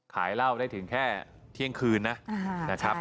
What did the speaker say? ขายเหล้าได้ถึงแค่เที่ยงคืนนะครับ